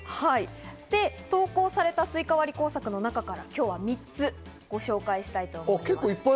投稿されたスイカ割り工作の中から、今日は３つご紹介したいと思います。